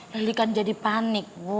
bali kan jadi panik bu